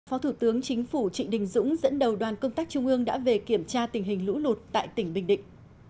phó thủ tướng chính phủ trịnh đình dũng dẫn đầu đoàn công tác trung ương đã về kiểm tra tình hình lũ lụt tại tỉnh bình định